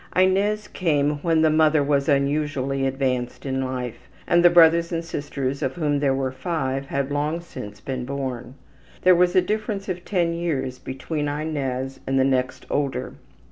'' Inez came when the mother was unusually advanced in life, and the brothers and sisters, of whom there were five, had long since been born. There was a difference of 10 years between Inez and the next older.